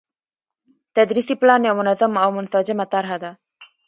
تدريسي پلان يو منظم او منسجمه طرحه ده،